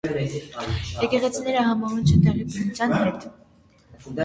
Եկեղեցիները համահունչ են տեղի բնության հետ։